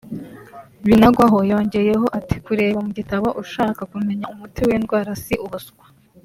Binagwaho yongeyeho ati ”Kureba mu gitabo ushaka kumenya umuti w’indwara si ubuswa